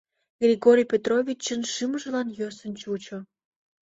Григорий Петровичын шӱмжылан йӧсын чучо...